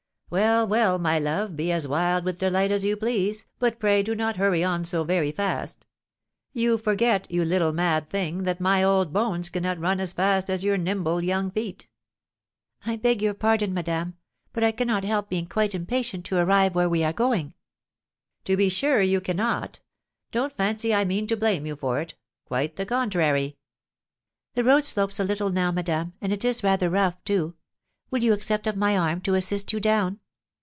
"Well, well, my love, be as wild with delight as you please, but pray do not hurry on so very fast. You forget, you little mad thing, that my old bones cannot run as fast as your nimble young feet." "I beg your pardon, madame; but I cannot help being quite impatient to arrive where we are going." "To be sure you cannot; don't fancy I mean to blame you for it; quite the contrary." "The road slopes a little now, madame, and it is rather rough, too; will you accept of my arm to assist you down?"